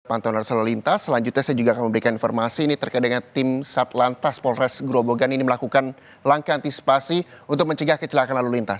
pantauan arus lalu lintas selanjutnya saya juga akan memberikan informasi ini terkait dengan tim satlantas polres grobogan ini melakukan langkah antisipasi untuk mencegah kecelakaan lalu lintas